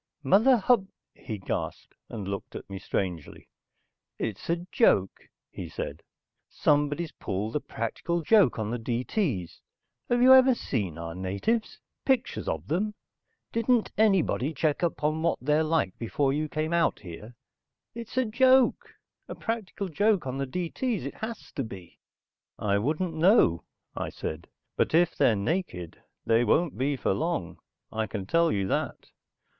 "Mother Hub...." he gasped. He looked at me strangely. "It's a joke," he said. "Somebody's pulled a practical joke on the D.T.'s. Have you ever seen our natives? Pictures of them? Didn't anybody check up on what they're like before you came out here? It's a joke. A practical joke on the D.T.'s. It has to be." "I wouldn't know," I said. "But if they're naked they won't be for long, I can tell you that.